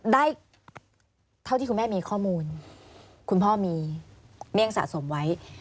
ได้เท่าที่คุณแม่มีข้อมูลคุณพ่อมีเมี่ยงสะสมไว้